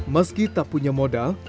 meski tak punya modal